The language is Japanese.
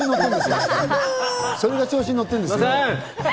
それが調子に乗ってるんですよ。